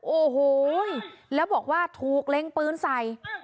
โอ้โหแล้วบอกว่าถูกเล็งปืนใส่